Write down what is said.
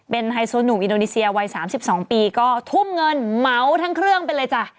ไฮโซหนุ่มอินโดนีเซียวัย๓๒ปีก็ทุ่มเงินเหมาทั้งเครื่องไปเลยจ้ะ